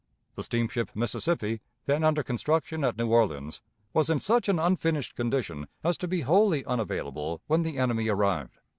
The steamship Mississippi, then under construction at New Orleans, was in such an unfinished condition as to be wholly unavailable when the enemy arrived.